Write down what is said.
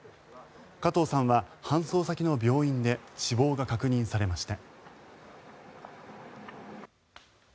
加藤さんは搬送先の病院で死亡が確認されました。